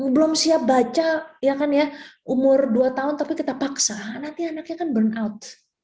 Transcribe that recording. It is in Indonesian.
belum siap baca umur dua tahun tapi kita paksa nanti anaknya akan burn out